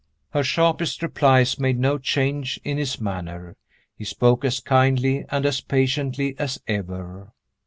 Her sharpest replies made no change in his manner. He spoke as kindly and as patiently as ever.